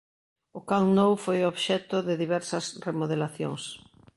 O Camp Nou foi obxecto de diversas remodelacións.